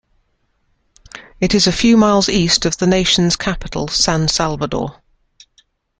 It is a few miles east of the nation's capital, San Salvador.